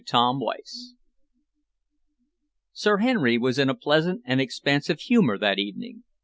CHAPTER VII Sir Henry was in a pleasant and expansive humour that evening.